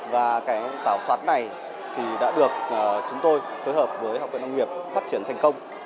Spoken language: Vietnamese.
và cái tảo xoắn này thì đã được chúng tôi phối hợp với học viện nông nghiệp phát triển thành công